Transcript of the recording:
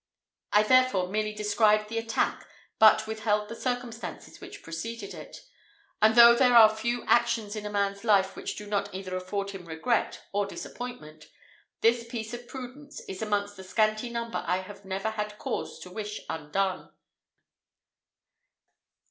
I therefore merely described the attack, but withheld the circumstances which preceded it; and though there are few actions in a man's life which do not either afford him regret or disappointment, this piece of prudence is amongst the scanty number I have never had cause to wish undone.